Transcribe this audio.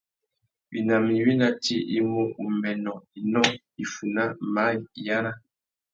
Winama iwí ná tsi i mú: umbênô, inó, iffuná, maye, iyara.